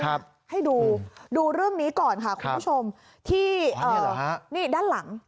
ครับให้ดูดูเรื่องนี้ก่อนค่ะคุณผู้ชมครับที่อ๋อนี่เหรอฮะนี่ด้านหลัง